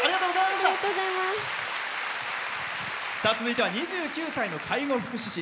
続いては２９歳の介護福祉士。